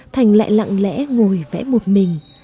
thành lại lặng lẽ ngồi vẽ một mình